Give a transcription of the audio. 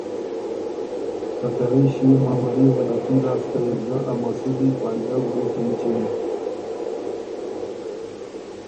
که ته رئ ݭيې معمُولي غلطی لاسته يې بو ګۀ ا مسُودی فائدۀ وریوک اېنچِن